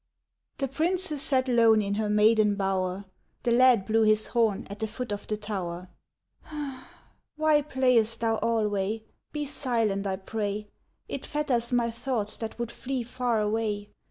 The Princess sat lone in her maiden bower, The lad blew his horn at the foot of the tower. "Why playest thou alway? Be silent, I pray, It fetters my thoughts that would flee far away.